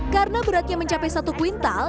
karena beratnya mencapai satu kuintal